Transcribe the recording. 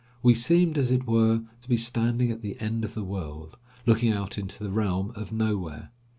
We seemed, as it were, to be standing at the end of the world, looking out into the realm of nowhere.